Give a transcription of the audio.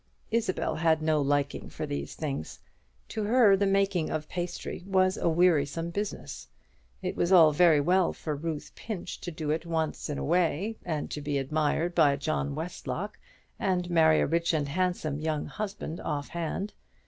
Isabel had no liking for these things; to her the making of pastry was a wearisome business. It was all very well for Ruth Pinch to do it for once in a way, and to be admired by John Westlock, and marry a rich and handsome young husband offhand.